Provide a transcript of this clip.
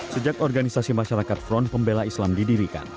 sejak organisasi masyarakat front pembela islam didirikan